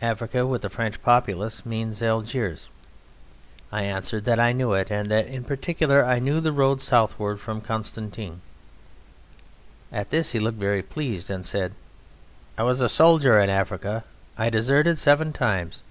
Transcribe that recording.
Africa with the French populace means Algiers. I answered that I knew it, and that in particular I knew the road southward from Constantine. At this he looked very pleased, and said: "I was a soldier in Africa. I deserted seven times."